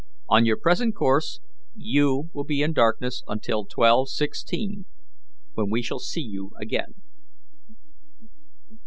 On your present course you will be in darkness till 12.16, when we shall see you again."